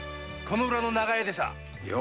この裏の長屋です。